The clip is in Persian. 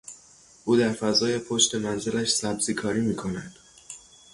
او در فضای پشت منزلش سبزی کاری میکند.